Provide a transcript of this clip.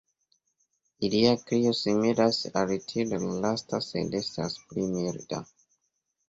Ilia krio similas al tiu de la lasta sed estas pli milda.